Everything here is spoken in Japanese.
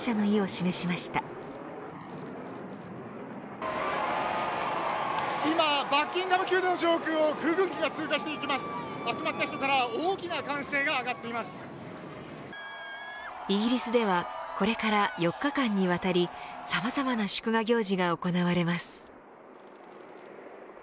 集まった人からはイギリスではこれから４日間にわたりさまざまな祝賀行事が行われます。